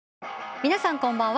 皆さんこんばんは。